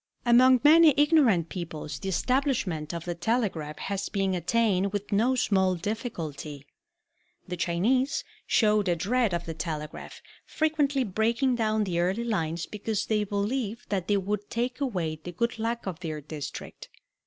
Among many ignorant peoples the establishment of the telegraph has been attained with no small difficulty. The Chinese showed a dread of the telegraph, frequently breaking down the early lines because they believed that they would take away the good luck of their district.